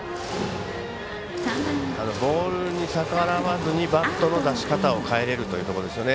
ボールに逆らわずにバットの出し方を変えれるというところですよね。